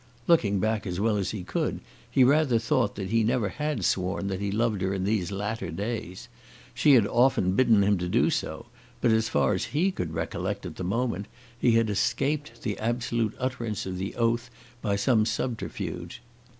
Looking back as well as he could, he rather thought that he never had sworn that he loved her in these latter days. She had often bidden him to do so; but as far as he could recollect at the moment, he had escaped the absolute utterance of the oath by some subterfuge.